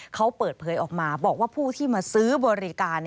เขาเปิดเผยออกมาบอกว่าผู้ที่มาซื้อบริการ